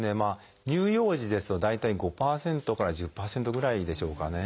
乳幼児ですと大体５％から１０％ぐらいでしょうかね。